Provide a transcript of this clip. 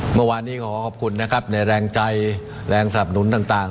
เมื่อวานนี้ขอขอบคุณนะครับในแรงใจแรงสนับหนุนต่าง